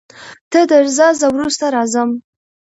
ته درځه زه وروسته راځم.